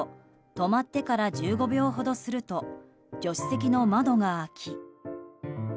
止まってから１５秒ほどすると助手席の窓が開き。